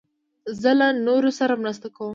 زه له نورو سره مرسته کوم.